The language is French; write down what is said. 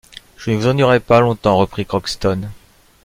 Je ne vous ennuierai pas longtemps, reprit Crockston.